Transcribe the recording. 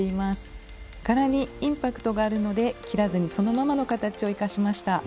柄にインパクトがあるので切らずにそのままの形を生かしました。